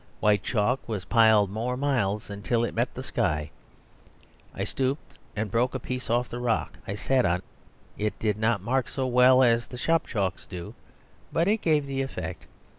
White chalk was piled more miles until it met the sky. I stooped and broke a piece off the rock I sat on; it did not mark so well as the shop chalks do; but it gave the effect.